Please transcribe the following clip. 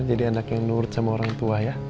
anak yang nurut sama orang tua ya